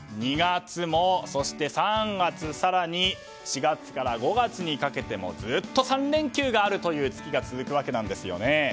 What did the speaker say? ２月も、そして３月更に４月から５月にかけてもずっと３連休があるという月が続くわけなんです。